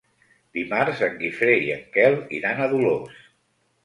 Dimarts en Guifré i en Quel iran a Dolors.